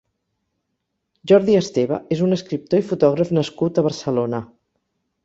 Jordi Esteva és un escriptor i fotògraf nascut a Barcelona.